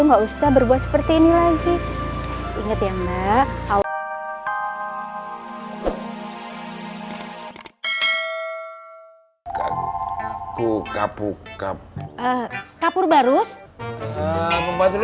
enggak usah berbuat seperti ini lagi inget ya mbak kau aku kapuk kapuk kapur barus